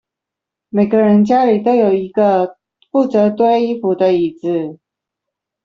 每個人家裡都有一個負責堆衣服的椅子